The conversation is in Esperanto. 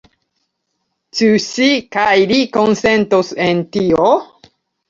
Ĉu si kaj li konsentos en tio?